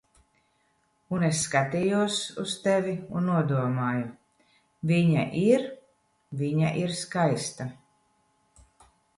Un es skatījos uz tevi un nodomāju: "Viņa ir... Viņa ir skaista."